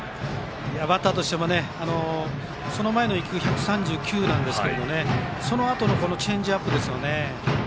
バッターとしてもその前のボールが１３９キロなんですがそのあとのチェンジアップですね。